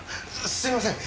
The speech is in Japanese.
すいません。